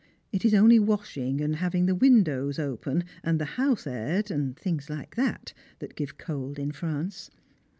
It is only washing, and having the windows open, and the house aired, and things like that, that give cold in France.